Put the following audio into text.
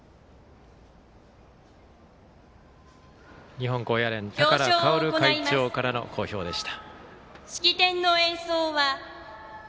日本高野連寶馨会長からの講評でした。